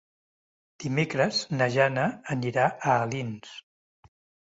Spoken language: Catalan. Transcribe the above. Dimecres na Jana anirà a Alins.